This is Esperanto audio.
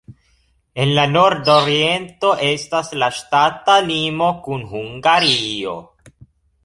En la nordoriento estas la ŝtata limo kun Hungario.